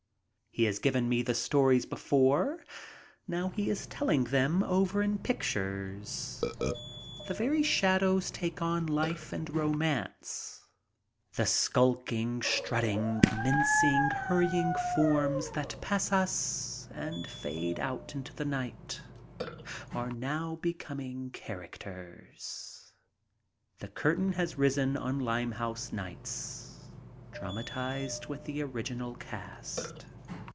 He has given me the stories before. Now he is telling them over in pictures. The very shadows take on life and romance. The skulking, strutting, mincing, hurrying forms that pass us and fade out into the night are now becoming characters. The curtain has risen on "Limehouse Nights," dramatized with the original cast.